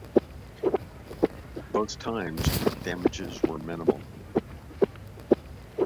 Both times, damages were minimal.